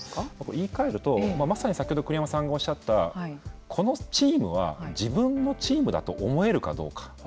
言いかえるとまさに先ほど栗山さんがおっしゃったこのチームは自分のチームだと思えるかどうか。